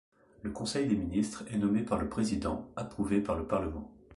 Le conseil des ministres est nommé par le Président, approuvé par le Parlement.